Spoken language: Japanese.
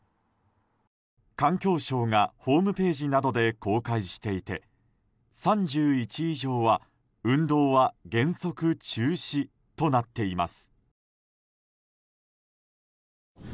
環境省がホームページなどで公開していて３１以上は運動は原則中止となっています。